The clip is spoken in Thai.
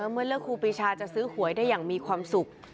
เมื่อเลือกครูปีชาจะซื้อหวยได้อย่างมีความสุข